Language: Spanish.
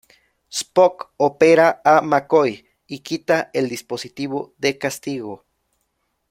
Spock opera a McCoy y quita el dispositivo de castigo.